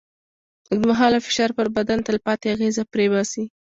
اوږدمهاله فشار پر بدن تلپاتې اغېزه پرېباسي.